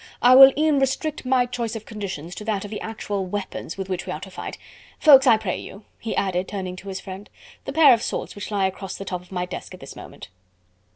I will e'en restrict my choice of conditions to that of the actual weapons with which we are to fight.... Ffoulkes, I pray you," he added, turning to his friend, "the pair of swords which lie across the top of my desk at this moment....